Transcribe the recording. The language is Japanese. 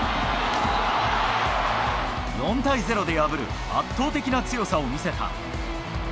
４対０で破る圧倒的な強さを見せた。